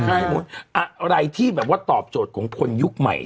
อะไรที่แบบว่าตอบโจทย์ของคนยุคใหม่